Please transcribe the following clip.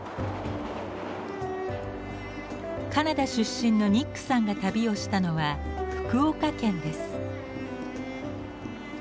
カナダ出身のニックさんが旅をしたのは福岡県です。